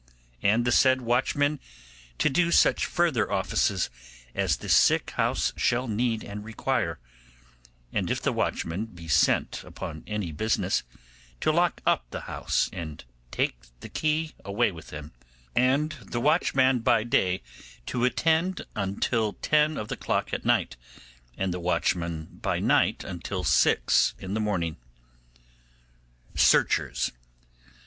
And the said watchmen to do such further offices as the sick house shall need and require: and if the watchman be sent upon any business, to lock up the house and take the key with him; and the watchman by day to attend until ten of the clock at night, and the watchman by night until six in the morning. Searchers.